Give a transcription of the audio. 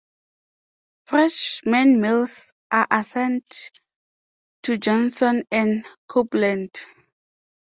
Freshman males are assigned to Johnson and Copeland.